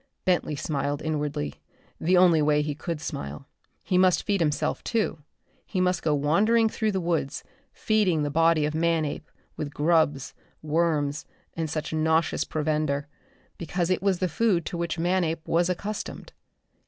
Bentley smiled inwardly, the only way he could smile. He must feed himself, too. He must go wandering through the woods, feeding the body of Manape with grubs, worms and such nauseous provender, because it was the food to which Manape was accustomed.